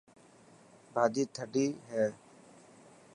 ڀاڄي ٿدي هي.